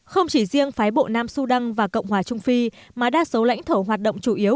không chỉ riêng phái bộ nam sudan và cộng hòa trung phi mà đa số lãnh thổ hoạt động chủ yếu